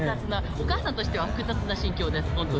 お母さんとしては複雑な心境です、なるほど。